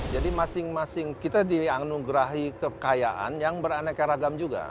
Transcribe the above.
jadi masing masing kita dianugerahi kekayaan yang beraneka ragam juga